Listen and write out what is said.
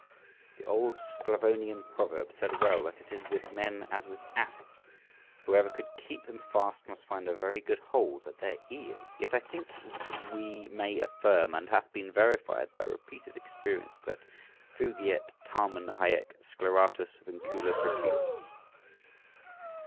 . The old Sclavonian proverb said well that it is with men as with asses; whoever would keep them fast must find a very good hold at their ears. Yet I think we may affirm, and it hath been verified by repeated experience, that— "Effugiet tamen hæc sceleratus vincula Proteus."